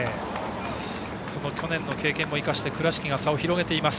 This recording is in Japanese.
その去年の経験も生かして倉敷が差を広げています。